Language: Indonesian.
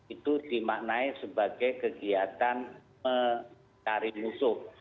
itu dimaknai sebagai kegiatan mencari musuh